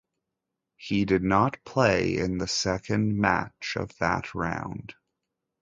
He did not play in the second match of that round.